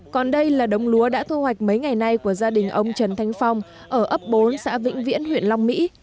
còn đây là đống lúa đã thu hoạch mấy ngày nay của gia đình ông trần thanh phong ở ấp bốn xã vĩnh viễn huyện long mỹ